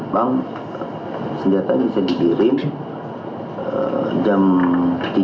bang senjata ini bisa dikirim jam tiga sore